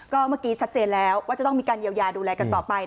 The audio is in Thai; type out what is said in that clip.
ก็เมื่อกี้ชัดเจนแล้วว่าจะต้องมีการเยียวยาดูแลกันต่อไป